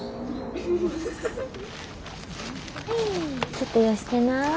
ちょっとよしてな。